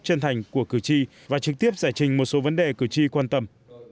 chân thành của cử tri và trực tiếp giải trình một số vấn đề cử tri quan tâm